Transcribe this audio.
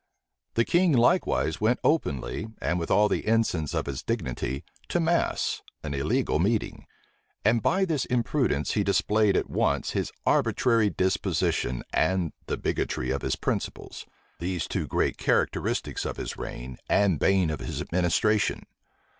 The king likewise went openly, and with all the ensigns of his dignity, to mass, an illegal meeting: and by this imprudence he displayed at once his arbitrary disposition, and the bigotry of his principles; these two great characteristics of his reign, and bane of his administration.